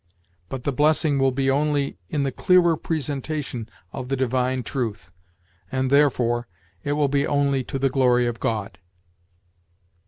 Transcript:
But the blessing will be only in the clearer presentation of the Divine truth, and, therefore, it will be only to the glory of God."